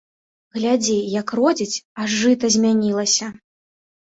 Глядзі, як родзіць, аж жыта змянілася!